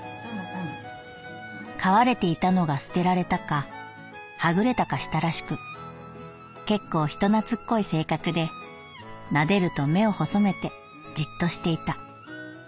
「飼われていたのが捨てられたかはぐれたかしたらしく結構人懐っこい性格で撫でると目を細めてじっとしていた」。